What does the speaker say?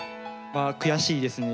悔しいですね。